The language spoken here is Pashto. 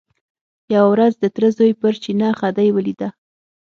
یوه ورځ د تره زوی پر چینه خدۍ ولیده.